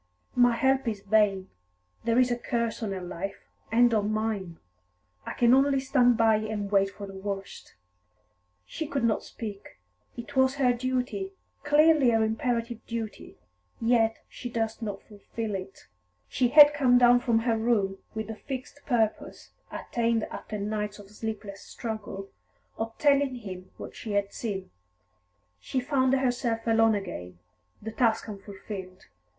"My help is vain. There is a curse on her life, and on mine. I can only stand by and wait for the worst." She could not speak. It was her duty, clearly her imperative duty, yet she durst not fulfil it. She had come down from her room with the fixed purpose, attained after nights of sleepless struggle, of telling him what she had seen. She found herself alone again, the task unfulfilled.